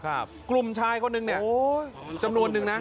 ครับกลุ่มชายเขานึงเนี่ยโอ้ยจำนวนนึงน่ะ